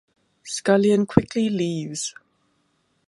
Skullion quickly leaves.